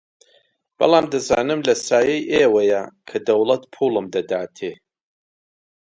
بەڵام دەزانم لە سایەی ئێوەیە کە دەوڵەت پووڵم دەداتێ